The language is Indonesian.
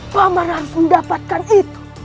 paman harus mendapatkan itu